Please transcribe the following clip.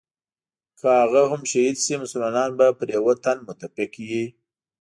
که هغه هم شهید شي مسلمانان به پر یوه تن متفق وي.